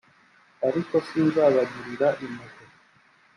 ariko sinzabagirira impuhwe